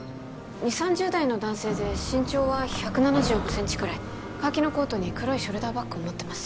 ２０３０代の男性で身長は１７５センチくらいカーキのコートに黒いショルダーバッグを持ってます